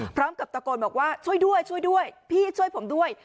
พร้อมกับตะโกนบอกว่าช่วยด้วยช่วยด้วยพี่ช่วยผมด้วย